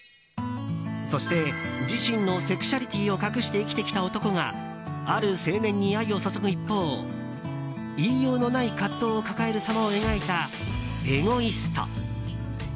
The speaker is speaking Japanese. そして自身のセクシャリティーを隠して生きてきた男がある青年に愛を注ぐ一方言いようのない葛藤を抱えるさまを描いた「エゴイスト」。